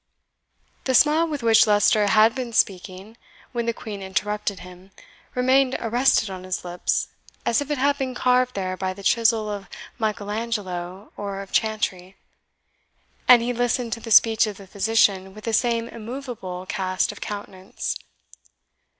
The smile with which Leicester had been speaking, when the Queen interrupted him, remained arrested on his lips, as if it had been carved there by the chisel of Michael Angelo or of Chantrey; and he listened to the speech of the physician with the same immovable cast of countenance.